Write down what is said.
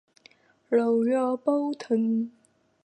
它是阴茎摩擦底下的一个分支。